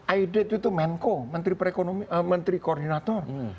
aided itu menko menteri koordinator